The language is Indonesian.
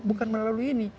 bukan melalui ini